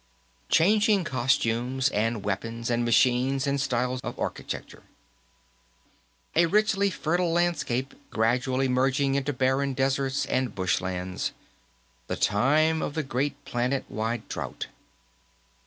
Changing costumes and weapons and machines and styles of architecture. A richly fertile landscape, gradually merging into barren deserts and bushlands the time of the great planet wide drought.